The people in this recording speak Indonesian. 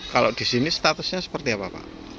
kalau di sini statusnya seperti apa pak